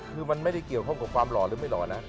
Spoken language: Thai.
คือมันไม่ได้เกี่ยวข้องกับความหล่อหรือไม่หล่อนะ